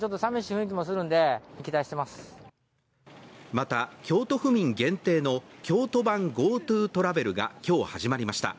また京都府民限定の京都版ＧｏＴｏトラベルが今日始まりました